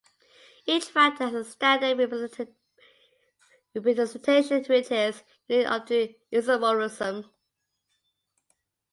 Each factor has a standard representation, which is unique up to isomorphism.